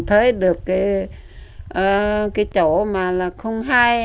thấy được cái chỗ mà là không hay